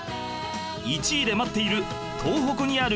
１位で待っている東北にあるこの駅